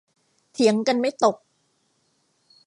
เถียงกันไม่ตก